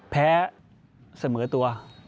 แพ้เสมอตัว